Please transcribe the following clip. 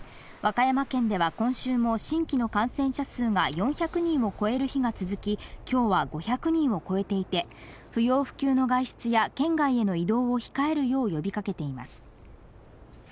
和歌山県では今週も新規の感染者数が４００人を超える日が続き、きょうは５００人を超えていて、不要不急の外出や、県外への移動を控えるよう呼びかけています。